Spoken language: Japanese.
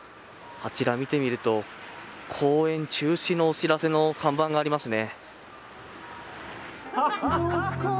あちら、見てみると公演中止のお知らせの看板がありますね。